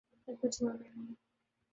سب کچھ ہوا میں ہے۔